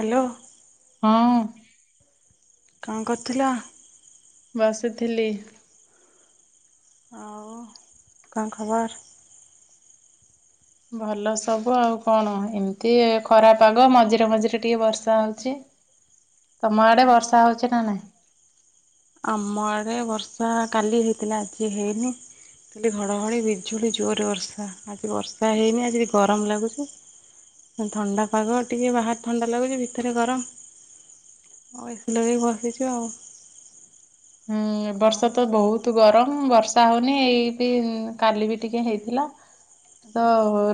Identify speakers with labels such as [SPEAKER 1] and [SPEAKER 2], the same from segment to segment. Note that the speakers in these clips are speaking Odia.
[SPEAKER 1] ହାଲୋ।
[SPEAKER 2] ହୁଁ।
[SPEAKER 1] କଣ କରଥିଲ?
[SPEAKER 2] ବସିଥିଲି।
[SPEAKER 1] ଆଉ କଣ ଖବର?
[SPEAKER 2] ଭଲ ସବୁ ଆଉ କଣ ଏମତି ଖରା ପାଗ ମଝିରେ ମଝିରେ ଟିକେ ବର୍ଷା ହଉଚି।
[SPEAKER 1] ହ
[SPEAKER 2] ତମ ଆଡ଼େ ବର୍ଷା ହଉଚି ନା ନାଇଁ?
[SPEAKER 1] ଆମ ଆଡ଼େ ବର୍ଷା କାଲି ହେଇଥିଲା ଆଜି ହେଇନି। କାଲି ଘଡ଼ଘଡ଼ି ବିଜୁଳି ଜୋରରେ ବର୍ଷା ଆଜି ବର୍ଷା ହେଇନି ଆଜି ଗରମ ଲାଗୁଚି। ଥଣ୍ଡା ପାଗ ଟିକେ ବାହାର ଥଣ୍ଡା ଲାଗୁଚି ଭିତରେ ଗରମ। ଓ ଏସି ଲଗେଇ ବସିଚି ଆଉ।
[SPEAKER 2] ହୁଁ ବର୍ଷା ତ
[SPEAKER 1] ହଁ
[SPEAKER 2] ବହୁତ୍ ତୁ ଗରମ ବର୍ଷା ହଉନି ଏଇ ବି କାଲି ବି ଟିକେ ହେଇଥିଲା। ତ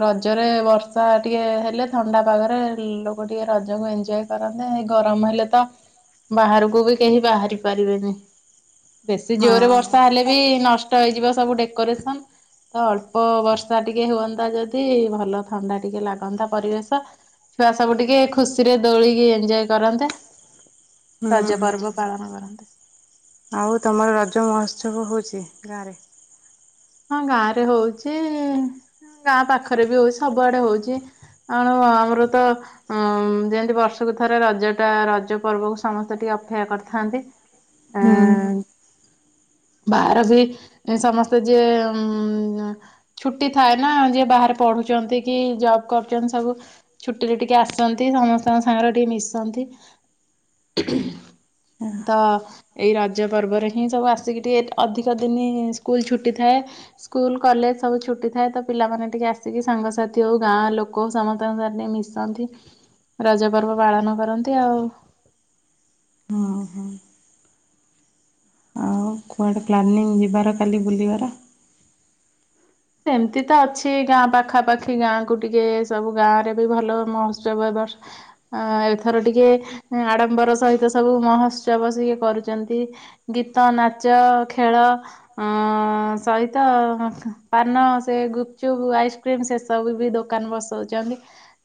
[SPEAKER 2] ରଜରେ ବର୍ଷା ଟିକେ ହେଲେ ଥଣ୍ଡା ପାଗରେ ଲୋକ ଟିକେ ରଜକୁ ଏଞ୍ଜୟେ କରନ୍ତେ ଏଇ ଗରମ ହେଲେ ତ ବାହାରକୁ ବି କେହି ବାହାରି ପାରିବେନି। ବେଶୀ ଜୋରେ ବର୍ଷା ହେଲେ ବି ନଷ୍ଟ ହେଇଯିବ ସବୁ ଡେକୋରେସନ୍। ତ ଅଳ୍ପ ବର୍ଷା ଟିକେ ହୁଅନ୍ତା ଯଦି ଭଲ ଥଣ୍ଡା ଟିକେ ଲାଗନ୍ତା ପରିବେଶ। ଛୁଆ ସବୁ ଟିକିଏ ଖୁସି ରେ ଦୋଳି କି ଏଞ୍ଜୟେ କରନ୍ତେ।
[SPEAKER 1] ହୁଁ
[SPEAKER 2] ରଜ
[SPEAKER 1] ହୁଁ
[SPEAKER 2] ପର୍ବ ପାଳନ କରନ୍ତେ।
[SPEAKER 1] ଆଉ ତମର ରଜ ମହୋତ୍ସବ ହଉଚି ଗାଁ ରେ?
[SPEAKER 2] ହଁ ଗାଁ ରେ ହଉଚି ଇ ଇ ଗାଁ ପାଖରେ ବି ହଉଚି ସବୁଆଡ଼େ ହଉଚି। ଆଣୁ ଆଉ ଆମର ତ ଅଁ ମ୍ ଯେନ୍ତି ବର୍ଷକୁ ଥରେ ରଜ ଟା ରଜ ପର୍ବକୁ ସମସ୍ତେ ଟିକେ ଅପେକ୍ଷା କରିଥାନ୍ତି।
[SPEAKER 1] ହୁଁ।
[SPEAKER 2] ବାହାର ବି ସମସ୍ତେ ଯିଏ ଉଁ ଛୁଟି ଥାଏ ନା ଯିଏ ବାହାରେ ପଢ଼ୁଚନ୍ତି କି ଜବ୍ କରୁଚନ୍ତି ସବୁ ଛୁଟିରେ ଟିକେ ଆସନ୍ତି ସମସ୍ତଙ୍କ ସାଙ୍ଗରେ ଟିକେ ମିଶନ୍ତି। ତ ଏଇ ରଜ ପର୍ବରେ ହିଁ ସବୁ ଆସିକି ଟିକେ ଅଧିକ ଦିନି ସ୍କୁଲ ଛୁଟ୍ ଟି ଥାଏ ସ୍କୁଲ୍ କଲେଜ୍ ସବୁ ଛୁଟି ଥାଏ ତ ପିଲାମାନେ ଟିକେ ଆସିକି ସାଙ୍ଗସାଥି ହଉ ଗାଁ ଲୋକ ସମସ୍ତଙ୍କ ସାଥେ ଟିକେ ମିଶ ଶନ୍ତି ରଜ ପର୍ବ ପାଳନ କରନ୍ତି ଆଉ।
[SPEAKER 1] ହଁ ହଁ। ହଉ କୁଆଡ଼େ ପ୍ଲାନିଂ ଯିବାର କାଲି ବୁଲିବାର?
[SPEAKER 2] ସେମତି ତ ଅଛି ଗାଁ ପାଖାପାଖି ଗାଁ କୁ ଟିକେ ସବୁ ଗାଁ ରେ ବି ଭଲ ମହୋତ୍ସବ ଏ ବର୍ଷ ଆଁ ଆଁ ଏଥର ଟିକେ ଆଡ଼ମ୍ବର ସହିତ ସବୁ ମହୋତ୍ସବ ସିଏ କରୁଚନ୍ତି। ଗୀତ, ନାଚ, ଖେଳ ଅଁ ଅଁ ଅଁ ସହିତ ପାନ ସେ ଗୁପଚୁପ୍, ଆଇସ୍କ୍ରିମ୍ ସେସବୁ ବି ଦୋକାନ ବସଉଚନ୍ତି।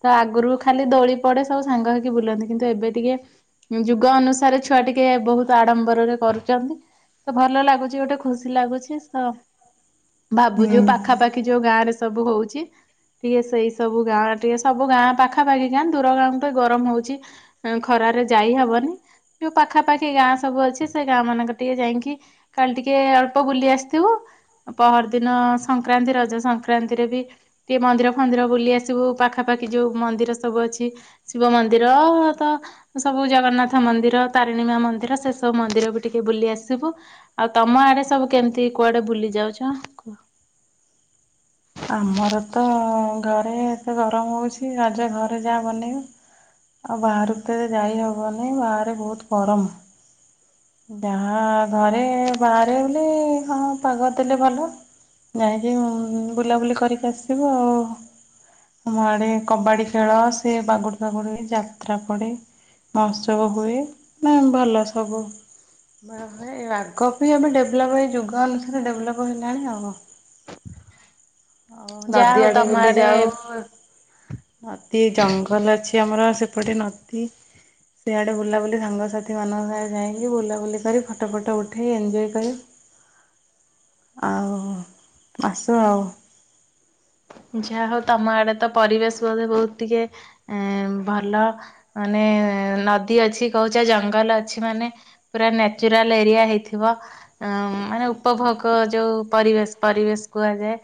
[SPEAKER 2] ତ ଆଗୁରୁ ଖାଲି ଦୋଳି ପଡ଼େ ସବୁ ସାଙ୍ଗ ହେଇକି ବୁଲନ୍ତି କିନ୍ତୁ ଏବେ ଟିକିଏ ଉଁ ଯୁଗ ଅନୁସାରେ ଛୁଆ ଟିକିଏ ବହୁତ୍ ଆଡମ୍ବରରେ କରୁଚନ୍ତି। ତ ଭଲ ଲାଗୁଚି ଗୋଟେ ଖୁସି ଲାଗୁଚି ତ ଭାବୁଚୁ
[SPEAKER 1] ହୁଁ।
[SPEAKER 2] ପାଖାପାଖି ଯୋଉ ଗାଁ ରେ ସବୁ ହଉଚି ଟିକେ ସେଇ ସବୁ ଗାଁ ଟିକେ ସବୁ ଗାଁ ପାଖାପାଖି ଗାଁ ଦୁର ଗାଁକୁ ତ ଗରମ୍ ହଉଚି ଅଁ ଖରାରେ ଯାଇ ହବନି ଯୋଉ ପାଖାପାଖି ଗାଁ ସବୁ ଅଛି ସେ ଗାଁ ମାନଙ୍କରେ ଟିକେ ଯାଇଁକି କାଲି ଟିକେ ଅଳ୍ପ ବୁଲି ଆସିଥିବୁ ପହର୍ ଦିନ ସ ସଂକ୍ରାନ୍ତି ରଜ ସଂକ୍ରାନ୍ତିରେ ବି ଟିକେ ମନ୍ଦିର ଫନ୍ଦିର ବୁଲି ଆସିବୁ ପାଖାପାଖି ଯଉ ମନ୍ଦିର ସବୁ ଅଛି। ଶିବ ମନ୍ଦିର ତ ସବୁ ଜଗନ୍ନାଥ ମନ୍ଦିର ତାରିଣୀ ମା ମନ୍ଦିର ସେ ସବୁ ମନ୍ଦିର ବି ଟିକେ ବୁଲି ଆସିବୁ। ଆଉ ତମ ଆଡେ ସବୁ କେମିତି କୁଆଡେ ବୁଲି ଯାଉଚ କୁହ?
[SPEAKER 1] ଆମର ତ ଘରେ ଏତେ ଗରମ୍ ହଉଚି ରଜ ଘରେ ଯାହା ବନେଇବ। ଆଉ ବାହାରକୁ ତ ଏବେ ଯାଇ ହବନି ବାହାରେ ବହୁତ୍ ଗରମ୍। ଯାହା ଘରେ ବାହାରେ ବୁଲିବେ ହଁ ପାଗ ଦେଲେ ଭଲ। ଯାଇକି ଉଁ ବୁଲାବୁଲି କରିକି ଆସିବୁ ଆଉ। ଆମ ଆଡେ କବାଡି ଖେଳ ସେ ବାଗୁଡ୍ ଫାଗୁଡ୍ ହୁଏ ଯାତ୍ରା ପଡେ। ମହୋତ୍ସବ ହୁଏ ନା ଭଲ ସବୁ। [unintelligible] ଆଗ ଅପେକ୍ଷା ଏବେ ଡେଭେଲପ୍ ହେଇ ଯୁଗ ଅନୁସାରେ ଡେଭେଲପ୍ ହେଲାଣି ଆଉ। ଆଉ
[SPEAKER 2] ଯାହା
[SPEAKER 1] ନଦୀ
[SPEAKER 2] ହଉ
[SPEAKER 1] ଆଡେ
[SPEAKER 2] ତମ
[SPEAKER 1] ବୁଲି ଯାଉ ନଦୀ, ଜଙ୍ଗଲ୍ ଅଛି ଆମର ସେପଟେ ନଦୀ ସିଆଡ଼େ ବୁଲାବୁଲି ସାଙ୍ଗସାଥିମାନଙ୍କ ସାଙ୍ଗେ ଯାଇକି ବୁଲାବୁଲି କରି ଫଟ ଫଟ ଉଠେଇ ଏଞ୍ଜୟ କରି ଆଉ ଆସୁ ଆଉ।
[SPEAKER 2] ଯାହା ହଉ ତମ ଆଡେ ତ ପରିବେଶ ବୋଧେ ବହୁତ ଟିକେ ଭଲ। ମାନେ ନଦୀ ଅଛି କହୁଛ ଜଙ୍ଗଲ ଅଛି ମାନେ ପୁରା ନ୍ୟାଚୁରାଲ ଏରିଆ ହେଇଥିବ। ଉଁ ମାନେ ଉପଭୋଗ ଯୋଉ ପରିବେଶ ପରିବେଶ କୁହାଯାଏ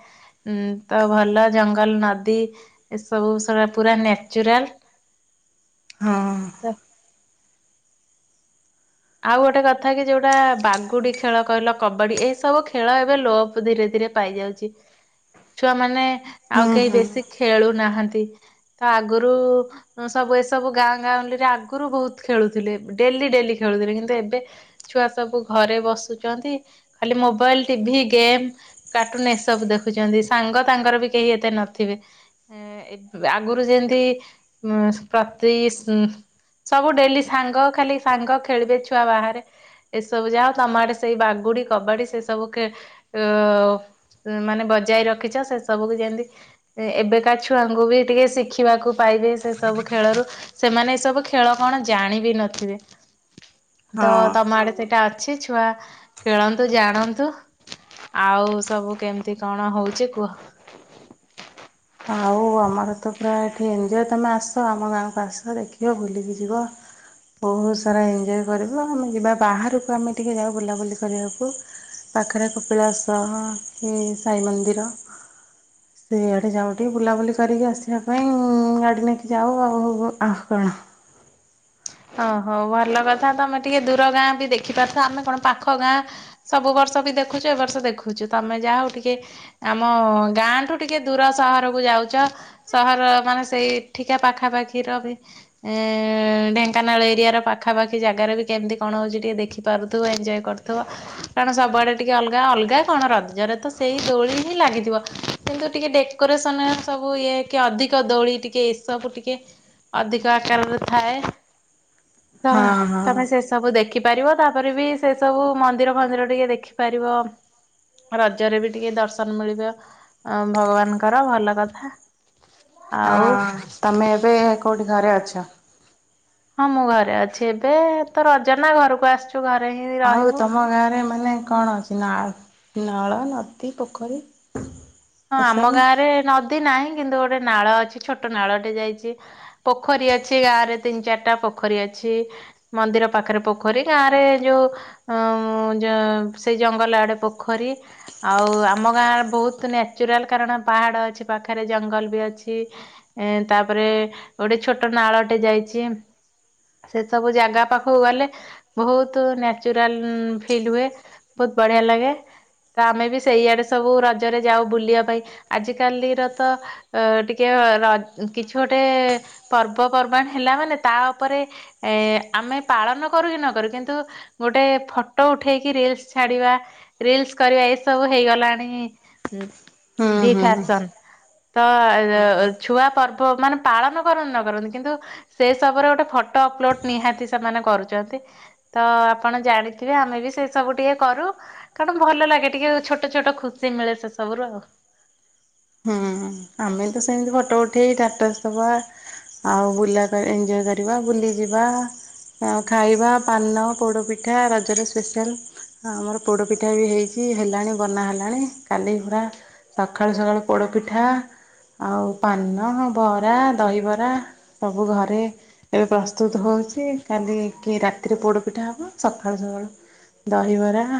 [SPEAKER 2] ଉଁ ତ ଭଲ ଜଙ୍ଗଲ ନଦୀ ଏସବୁ ସେରା ପୁରା ନ୍ୟାଚୁରାଲ।
[SPEAKER 1] ହଁ।
[SPEAKER 2] ତ ଆଉ ଗୋଟେ କଥା କି ଯୋଉଟା ବାଗୁଡି ଖେଳ କହିଲ କବାଡି ଏଇ ସବୁ ଖେଳ ଏବେ ଲୋପ ଧୀରେ ଧୀରେ ପାଇଯାଉ ଚି, ଛୁଆମାନେ
[SPEAKER 1] ହୁଁ
[SPEAKER 2] ଆଉ କେହି
[SPEAKER 1] ହୁଁ
[SPEAKER 2] ବେଶୀ ଖେଳୁ ନାହାନ୍ତି। ତ ଆଗରୁ ସବୁ ଏସବୁ ଗାଁ ଗାଉଁଲିରେ ଆଗରୁ ଭୋହୁତ ଖେଳୁଥିଲେ ଡେଲି ଡେଲି ଖେଳୁଥିଲେ। କିନ୍ତୁ ଏବେ ଛୁଆ ସବୁ ଘରେ ବସୁଛନ୍ତି ଖାଲି ମୋବାଇଲ ଟିଭି ଗେମ୍ କାର୍ଟୁନ ଏସବୁ ଦେଖୁଛନ୍ତି ସାଙ୍ଗ ତାଙ୍କର ବି କେହି ଏତେ ନଥିବେ। ଆଗରୁ ଯେମିତି ଉ ପ୍ରତି ସବୁ ଡେଲି ସାଙ୍ଗ ଖାଲି ସାଙ୍ଗ ଖେଳିବେ ଛୁଆ ବାହାରେ। ଏସବୁ ଯାହୋଉ ତମଆଡେ ସେଇ ବାଗୁଡି କବାଡି ସେ ସବୁ ଖେ ଏ ମାନେ ବଜାଇ ରଖିଛ ସେ ସବୁକୁ ଯେମତି ଏବେକା ଛୁଆଙ୍କୁ ବି ଟିକେ ଶିଖିବାକୁ ପାଇବେ ସେ ସବୁ ଖେଳରୁ। ସେମାନେ ଏ ସବୁ ଖେଳ କଣ ଜାଣିବି ନଥିବେ। ତ
[SPEAKER 1] ହଁ।
[SPEAKER 2] ତମ ଆଡେ ସେଇଟା ଅଛି ଛୁଆ ଖେଳନ୍ତୁ ଜାଣନ୍ତୁ। ଆଉ ସବୁ କେମିତି କଣ ହଉଛି କୁହ?
[SPEAKER 1] ଆଉ ଆମର ତ ପୁରା ଏଠି ଏଞ୍ଜୟ ତମେ ଆସ ଆମ ଗାଁକୁ ଆସ ଦେଖିବ ବୁଲିକି ଯିବ। ବହୁତ ସାରା ଏଞ୍ଜୟ କରିବ ଆମେ ଯିବା ବାହାରକୁ ଆମେ ଟିକେ ଯାଉ ବୁଲାବୁଲି କରିବାକୁ। ପାଖରେ କପିଳା ସହ କି ସାଇ ମନ୍ଦିର ସେଆଡେ ଯାଉ ଟିକେ ବୁଲାବୁଲି କରିକି ଆସିବା ପାଇଁ ଗାଡ଼ି ନେଇକି ଯାଉ ଆଉ, ଆଉ କଣ?
[SPEAKER 2] ଓ ହୋ ଭଲ କଥା ତମେ ଟିକେ ଦୂର ଗାଁ ବି ଦେଖିପାରୁଥ ଆମେ କଣ ପାଖ ଗାଁ ସବୁ ବର୍ଷ ବି ଦେଖୁଛୁ ଏ ବର୍ଷ ଦେଖୁଛୁ ତମେ ଯାହା ହଉ ଟିକେ ଆମ ଗାଁଠୁ ଟିକେ ଦୂର ସହରକୁ ଯାଉଛ। ସହର ମାନେ ସେଇଠିକା ପାଖାପାଖିର ବି ଏ ଢେନ୍ ଢେଙ୍କାନାଳ ଏରିଆର ପାଖାପାଖି ଜାଗାରେ ବି କେମିତି କଣ ହେଉଛି ଟିକିଏ ଦେଖିପାରୁଥିବ ଏଞ୍ଜୟ କରୁଥିବ। କାରଣ ସବୁଆଡେ ଟିକେ ଅଲଗା ଅଲଗା କଣ ରଜରେ ତ ସେଇ ଦୋଳି ହିଁ ଲାଗିଥିବ। କିନ୍ତୁ ଟିକେ ଡେକୋରେସନ ସବୁ ଇଏ କି ଅଧିକ ଦୋଳି ଟିକେ ଏସବୁ ଟିକେ ଅଧିକ ଆକାରରେ ଥାଏ ତ
[SPEAKER 1] ହଁ ହଁ
[SPEAKER 2] ତମେ ସେ ସବୁ ଦେଖି ପାରିବ ତାପରେ ବି ସେ ସବୁ ମନ୍ଦିର ଫନ୍ଦିର ଟିକେ ଦେଖିପାରିବ। ରଜରେ ବି ଟିକେ ଦର୍ଶନ ମିଳିବ ଅ ଭଗବାନଙ୍କର ଭଲ କଥା। ଆଉ
[SPEAKER 1] ହଁ ତମେ ଏବେ କୋଉଠି ଘରେ ଅଛ?
[SPEAKER 2] ହଁ ମୁଁ ଘରେ ଅଛି ଏବେ ତ ରଜନା ଘରକୁ ଆସ ତୁ ଆରେ ହେ।
[SPEAKER 1] ଆଉ ତମ ଗାଁରେ ମାନେ କଣ ଅଛି ନା ନଳ, ନଦୀ, ପୋଖରୀ?
[SPEAKER 2] ହଁ ଆମ
[SPEAKER 1] ଏସବୁ
[SPEAKER 2] ଗାଁରେ ନଦୀ ନାହିଁ କିନ୍ତୁ ଗୋଟେ ନାଳ ଅଛି ଛୋଟ ନାଳଟେ ଯାଇଛି। ପୋଖରୀ ଅଛି ଗାଁ ରେ ତିନି ଚାରିଟା ପୋଖରୀ ଅଛି। ମନ୍ଦିର ପାଖରେ ପୋଖରୀ ଗାଁ ରେ ଯୋଉ ସେଇ ଜଙ୍ଗଲ ଆଡେ ପୋଖରୀ। ଆଉ ଆମ ଗାଁ ବହୁତ ନ୍ୟାଚୁରାଲ କାରଣ ପାହାଡ ଅଛି ପାଖରେ ଜଙ୍ଗଲ ବି ଅଛି। ଏ ତାପରେ ଗୋଟେ ଛୋଟ ନାଳଟେ ଯାଇଛି। ସେ ସବୁ ଜାଗା ପାଖକୁ ଗଲେ ବହୁତ ନ୍ୟାଚୁରାଲ ଫିଲ୍ ହୁଏ। ବହୁତ ବଢିଆ ଲାଗେ ତ ଆମେ ବି ସେଇଆଡେ ସବୁ ରଜରେ ଯାଉ। ବୁଲିବା ପାଇଁ ଆଜିକାଲିର ତ ଅ ଟିକେ ର କିଛି ଗୋଟେ ପର୍ବ ପର୍ବାଣ ହେଲା ମାନେ ତା ଉପରେ ଏ ଆମେ ପାଳନ କରୁ କି ନକରୁ କିନ୍ତୁ ଗୋଟେ ଫଟୋ ଉଠେଇକି ରିଲସ ଛାଡିବା। ରିଲସ୍ କରିବା ଏସବୁ ହେଇଗଲାଣି
[SPEAKER 1] ହୁଁ
[SPEAKER 2] ଦି
[SPEAKER 1] ହୁଁ।
[SPEAKER 2] ଫ୍ୟାସନ୍। ତ ଛୁଆ ପର୍ବପର୍ବାଣୀ ପାଳନ କରନ୍ତୁ ନ କରନ୍ତୁ କିନ୍ତୁ ସେ ସବୁର ଗୋଟେ ଫଟୋ ଅପଲୋଡ ନିହାତି ସେମାନେ କରୁଛନ୍ତି। ତ ଆପଣ ଜାଣିଥିବେ ଆମେ ବି ସେ ସବୁ ଟିକେ କରୁ। କାରଣ ଭଲ ଲାଗେ ଟିକେ ଛୋଟଛୋଟ ଖୁସି ମିଳେ ସେ ସବୁରୁ ଆଉ।
[SPEAKER 1] ହୁଁ ହୁଁ ଆମେ ତ ସେମିତି ଫଟୋ ଉଠେଇ ଷ୍ଟାଟସ୍ ଦବା ଆଉ ବୁଲା ଟା ଏଞ୍ଜୟ୍ କରିବା ବୁଲି ଯିବା ଆଉ ଖାଇବା ପାନ ପୋଡ଼ପିଠା ରଜରେ ସ୍ପେସିଆଲ। ଆମର ପୋଡ଼ ପିଠା ବି ହେଇଛି ହେଲାଣି ବନା ହେଲାଣି କାଲି ପୁରା ସକାଳୁ ସକାଳୁ ପୋଡ଼ ପିଠା ଆଉ ପାନ ବରା ଦହିବରା ସବୁ ଘରେ ଏବେ ପ୍ରସ୍ତୁତ ହଉଛି କାଲି କି ରାତିରେ ପୋଡ଼ ପିଠା ହବ, ସଖାଳୁ ସଖାଳୁ ଦହିବରା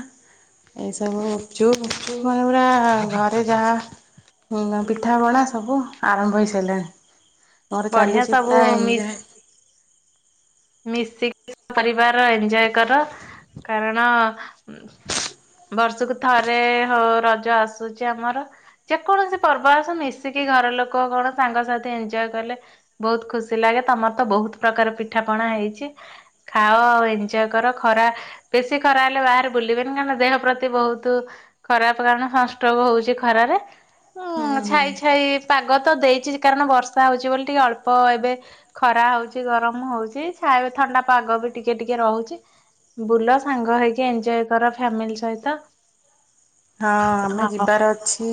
[SPEAKER 1] ଏଇସବୁ ଗୁପଚୁପ୍ ଫୁଫଚୁପ୍ ମାନେ ପୁରା ଘରେ ଯାହା ହୁଁ ନା ପିଠାପଣା ସବୁ ଆରମ୍ଭ ହେଇସାରିଲାଣି ମୋର
[SPEAKER 2] ବଢିଆ
[SPEAKER 1] ଚାଲିଛି
[SPEAKER 2] ସବୁ
[SPEAKER 1] ପୁରା
[SPEAKER 2] ମିସ୍
[SPEAKER 1] ଏଞ୍ଜୟ୍
[SPEAKER 2] ମିଶିକି ପରିବାର ଏଞ୍ଜୟ୍ କର କାରଣ ବର୍ଷକୁ ଥରେ ହଁ ରଜ ଆସୁଛି ଆମର। ଯେକୌଣସି ପର୍ବ ଆସୁ ମିଶିକି ଘର ଲୋକ କଣ ସାଙ୍ଗସଥି ଏଞ୍ଜୟ୍ କଲେ ବହୁତ ଖୁସି ଲାଗେ ତମର ତ ବହୁତ ପ୍ରକାର ପିଠାପଣା ହେଇଛି। ଖାଅ ଏଞ୍ଜୟ୍ କର ଖରା ବେଶୀ ଖରା ହେଲେ ବାହାରେ ବୁଲିବେନି ନା ଦେହ ପ୍ରତି ବହୁତ ଖରାପ କାରଣ ସଂଷ୍ଟ୍ରୋକ ହଉଛି ଖରାରେ
[SPEAKER 1] ହୁଁ
[SPEAKER 2] ଉଁ
[SPEAKER 1] ହୁଁ
[SPEAKER 2] ଛାଇଛାଇ ପାଗ ତ ଦେଇଛି କାରଣ ବର୍ଷା ହଉଛି ବୋଲି ଟିକେ ଅଳ୍ପ ଏବେ ଖରା ହଉଛି ଗରମ ହଉ ଛି ଛାୟା ଥଣ୍ଡା ପାଗ ବି ଟିକେ-ଟିକେ ରହୁଛି, ବୁଲ ସାଙ୍ଗ ହେଇକି ଏଞ୍ଜୟ କର ଫ୍ୟାମିଲି ସହିତ,
[SPEAKER 1] ହଁ ଆମେ ଯିବାର ଅଛି,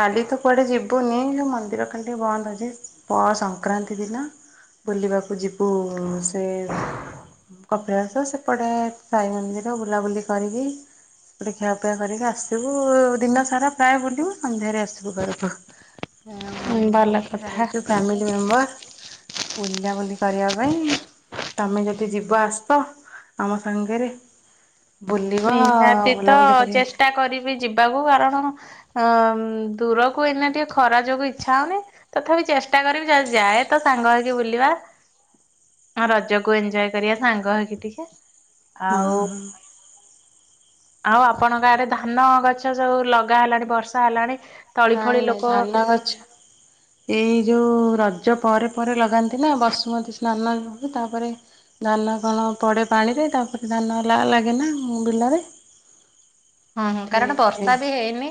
[SPEAKER 1] କାଲି ତ କୁଆଡ଼େ ଯିବୁନି ନା ମନ୍ଦିର ଖାଲି ଟିକେ ବନ୍ଦ ଅଛି ପଅଁ ସଂକ୍ରାନ୍ତି ଦିନ, ବୁଲିବାକୁ ଯିବୁ ସେ, କପିଳାସ ସେପଟେ ସାଇ ମନ୍ଦିର ବୁଲାବୁଲି କରିକି, ସେପଟେ ଖିଆପିଆ କରିକି ଆସିବୁ ଦିନ ସାରା ପ୍ରାୟ ବୁଲିବୁ ସନ୍ଧ୍ୟାରେ ଆସିବୁ ଘରକୁ ହେଁ
[SPEAKER 2] ହଁ ଭଲ
[SPEAKER 1] ସମସ୍ତେ
[SPEAKER 2] କଥା।
[SPEAKER 1] ଯାଉଛୁ ଫ୍ୟାମିଲି ମେମ୍ବର, ବୁଲାବୁଲି କରିବା ପାଇଁ। ତମେ ଯଦି ଯିବ ଆସ ଆମ ସାଙ୍ଗରେ, ବୁଲିବ
[SPEAKER 2] ନିହାତି ତ
[SPEAKER 1] ବୁଲାବୁଲି କରି
[SPEAKER 2] ଚେଷ୍ଟା କରିବି ଯିବାକୁ କାରଣ, ଅଁ ଦୂରକୁ ଏଇନା ଟିକେ ଖରା ଯୋଗୁ ଇଚ୍ଛା ହଉନି, ତଥାପି ଚେଷ୍ଟା କରିବି ଯଦି ଯାଏ ତ ସାଙ୍ଗ ହେଇକି ବୁଲିବା, ହଁ ରଜକୁ ଏଞ୍ଜୟ କରିବା ସାଙ୍ଗ ହେଇକି ଟିକେ, ଆଉ
[SPEAKER 1] ହଁ-ହଁ,
[SPEAKER 2] ଆଉ ଆପଣଙ୍କ ଆଡ଼େ ଧାନ ଗଛ ସବୁ ଲଗା ହେଲାଣି ବର୍ଷା ହେଲାଣି, ତଳି ଫଳି
[SPEAKER 1] ନାଇଁ-ନାଇଁ
[SPEAKER 2] ଲୋକ
[SPEAKER 1] ଧାନ ଗଛ ଏଇ ଯୋଉ ରଜ ପରେ-ପରେ ଲଗାନ୍ତି ନା ବସୁମତୀ ସ୍ନାନ ତାପରେ, ଧାନ କଣ ପଡ଼େ ପାଣିରେ ତାପରେ ଧାନ ଲା ଲାଗେନା ମୋ ବିଲରେ,
[SPEAKER 2] ହୁଁ
[SPEAKER 1] ସେ
[SPEAKER 2] କାରଣ ବର୍ଷା ବି ହେଇନି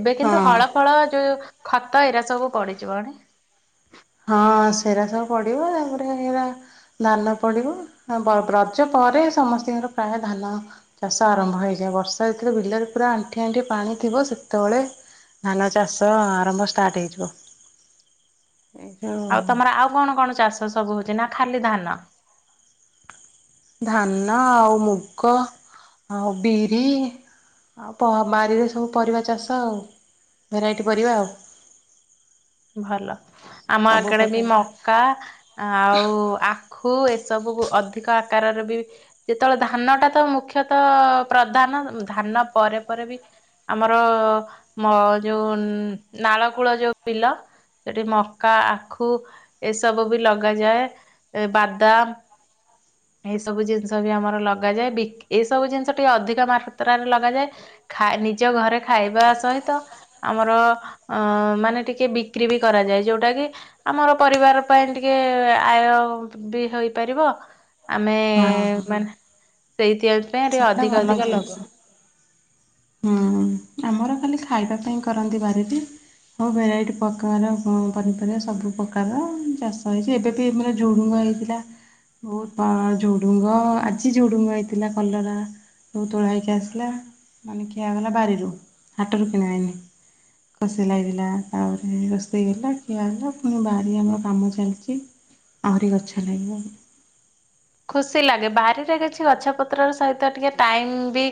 [SPEAKER 2] ଏବେ କିନ୍ତୁ
[SPEAKER 1] ହଁ
[SPEAKER 2] ହଳ ଫଳ ଯୋଉ, ଖତ ଏଇରା ସବୁ ପଡି଼ଯିବଣି,
[SPEAKER 1] ହଁ ସେରା ସବୁ ପଡ଼ିବ ତାପରେ ଏଇରା, ଧାନ ପଡ଼ିବ ରଜ ପରେ ସମସ୍ତଙ୍କର ପ୍ରାୟ ଧାନ, ଚାଷ ଆରମ୍ଭ ହେଇଯାଏ ବର୍ଷା ଯେତେବେଳେ ବିଲରେ ପୁରା ଆଣ୍ଠିଇ - ଆଣ୍ଠିଇ ପାଣି ଥିବ ସେତେବେଳେ, ଧାନ ଚାଷ ଆରମ୍ଭ ଷ୍ଟାର୍ଟ ହେଇଯିବ, ଏଇ ଯୋଉ
[SPEAKER 2] ଆଉ ତମର ଆଉ କଣ-କଣ ଚାଷ ସବୁ ହଉଛି ନା ଖାଲି ଧାନ,
[SPEAKER 1] ଧାନ ଆଉ ମୁଗ ଆଉ ବିରି, ଆଉ ବାରିରେ ସବୁ ପରିବା ଚାଷ ଆଉ ଭେରାଇଟି ପରିବା ଆଉ
[SPEAKER 2] ଭଲ ଆମ
[SPEAKER 1] ସବୁ
[SPEAKER 2] ଆଖେଡେ ବି
[SPEAKER 1] ପ୍ରକାର
[SPEAKER 2] ମକା ଆଉ ଆଖୁ ଏସବୁ ଅଧିକ ଆକାରରେ ବି ଯେତେବେଳେ ଧାନଟା ତ ମୁଖ୍ୟତଃ ପ୍ରଧାନ ଧାନ ପରେ ପରେ ବି ଆମର ଯୋଉ ନାଳ କୂଳ ଯୋଉ ବିଲ ସେଠି ମକା ଆଖୁ ଏସବୁ ବି ଲଗାଯାଏ ଏ ବାଦାମ
[SPEAKER 1] ହ
[SPEAKER 2] ଏସବୁ ଜିନିଷ ବି ଆମର ଲଗାଯାଏ ବି ଏସବୁ ଜିନିଷ ଟିକେ ଅଧିକ ମାତ୍ରାରେ ଲଗାଯାଏ ଖା ନିଜ ଘରେ ଖାଇବା ସହିତ ଆମର ଅ ମାନେ ଟିକେ ବିକ୍ରି ବି କରାଯାଏ ଯୋଉଟା କି ଆମର ପରିବାର ପାଇଁ ଟିକେ ଆୟ ବି ହେଇପାରିବ ଆମେ
[SPEAKER 1] ହଁ ହଁ
[SPEAKER 2] ମାନେ ସେଇଥି ପାଇଁ
[SPEAKER 1] ସେଇଟା
[SPEAKER 2] ଅଧିକ
[SPEAKER 1] ଭଲ
[SPEAKER 2] ଅଧିକ ଲଗଉ
[SPEAKER 1] ଜିନିଷ ହୁଁ ଆମର ଖାଲି ଖାଇବା ପାଇଁ କରନ୍ତି ବାରି ରେ ହଉ ଭେରାଇଟି ପ୍ରକାର ପନିପରିବା ସବୁ ପ୍ରକାରର ଚାଷ ହେଇଛି ଏବେ ବି ମାନେ ଝୁଡ଼ୁଙ୍ଗ ହେଇ ଥିଲା ବହୁତ ଝୁଡ଼ୁଙ୍ଗ ଆଜି ଝୁଡ଼ୁଙ୍ଗ ହେଇଥିଲା କଲରା ସବୁ ତୋଳା ହେଇକି ଆସିଲା ମାନେ କିଆଗଲା ବାରିରୁ ହାଟରୁ କିଣା ହେଇନି। ଖୁସି ଲାଗିଲା ଆଉରି ରୋଷେଇ ହେଲା କିଆ ହେଲା ପୁଣି ବାରି ଆମର କାମ ଚାଲିଛି। ଆହୁରି ଗଛ ଲାଗିବ।
[SPEAKER 2] ଖୁସି ଲାଗେ ବାରିରେ କିଛି ଗଛ ପତ୍ରର ସହିତ ଟିକେ ଟାଇମ ବି